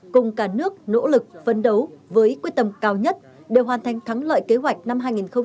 cùng cả nước nỗ lực phấn đấu với quyết tâm cao nhất để hoàn thành thắng lợi kế hoạch năm hai nghìn hai mươi